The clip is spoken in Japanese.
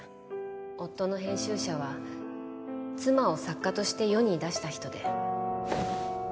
夫の編集者は妻を作家として世に出した人で。